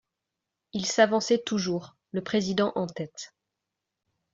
Il s'avançait toujours, le président en tête.